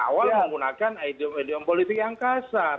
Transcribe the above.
awal menggunakan ideom ideom politik yang kasar